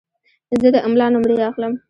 زه د املا نمرې اخلم.